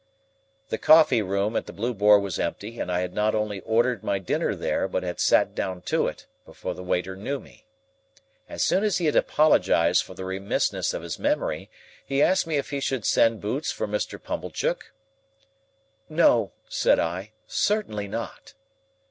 The coffee room at the Blue Boar was empty, and I had not only ordered my dinner there, but had sat down to it, before the waiter knew me. As soon as he had apologised for the remissness of his memory, he asked me if he should send Boots for Mr. Pumblechook? "No," said I, "certainly not."